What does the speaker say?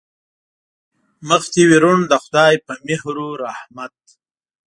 مخ دې وي روڼ د خدای په مهر و رحمت.